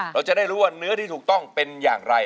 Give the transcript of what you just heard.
เราจะได้รู้ว่าเนื้อที่ถูกต้องเป็นอย่างไร